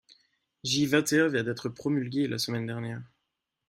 Jvingt et un vient d’être promulguée la semaine dernière.